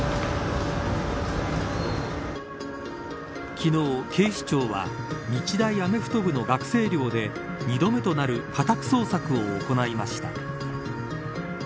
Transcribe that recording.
昨日、警視庁は日大アメフト部の学生寮で２度目となる家宅捜索を行いました。